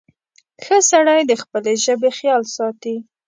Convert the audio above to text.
• ښه سړی د خپلې ژبې خیال ساتي.